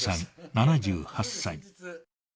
７８歳。